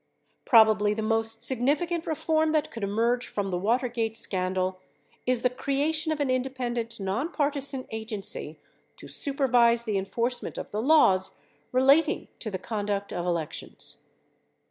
Probably the most significant reform that could emerge from the Watergate scandal is the creation of an independent nonpartisan agen cy to supervise the enforcement of the laws relating to the conduct of elections.